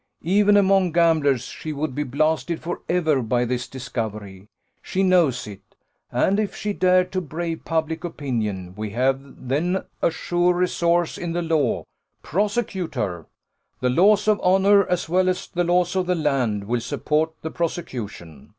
Even among gamblers she would be blasted for ever by this discovery: she knows it, and if she dared to brave public opinion, we have then a sure resource in the law prosecute her. The laws of honour, as well as the laws of the land, will support the prosecution.